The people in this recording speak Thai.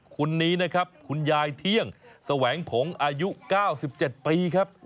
คนนี้นะครับคุณยายเที่ยงแสวงผงอายุ๙๗ปีครับ